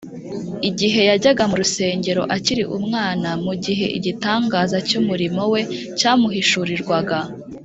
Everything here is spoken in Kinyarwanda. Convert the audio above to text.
Igihe yajyaga mu rusengero akiri umwana, mu gihe igitangaza cy’umurimo we cyamuhishurirwaga